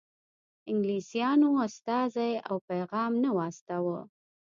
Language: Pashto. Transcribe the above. انګلیسیانو استازی او پیغام نه و استاوه.